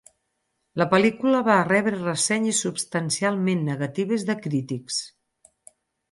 La pel·lícula va rebre ressenyes substancialment negatives de crítics.